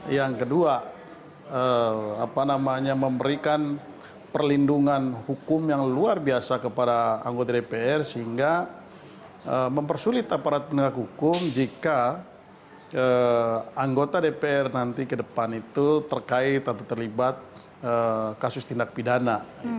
yang kedua memberikan perlindungan hukum yang luar biasa kepada anggota dpr sehingga mempersulit aparat penegak hukum jika anggota dpr nanti ke depan itu terkait atau terlibat kasus tindak pidana